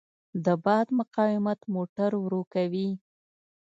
د باد مقاومت موټر ورو کوي.